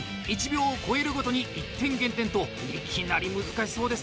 １秒を超えるごとに１点減点といきなり難しそうですね。